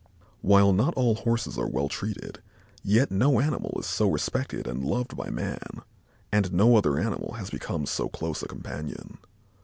While all Horses are not well treated, yet no animal is so respected and loved by man and no other animal has become so close a companion.